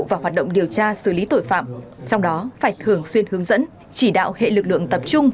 và hoạt động điều tra xử lý tội phạm trong đó phải thường xuyên hướng dẫn chỉ đạo hệ lực lượng tập trung